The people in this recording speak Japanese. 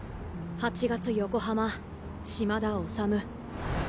８月横浜島田治。